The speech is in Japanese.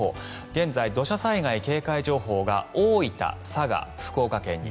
現在、土砂災害警戒情報が大分、佐賀、福岡県に。